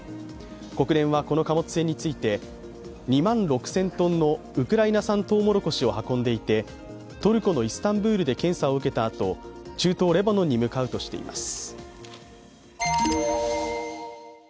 国連は、この貨物船について２万６０００ｔのウクライナ産とうもろこしを運んでいて、トルコのイスタンブールで検査を受けたあと、中東レバノンに向かうとしています。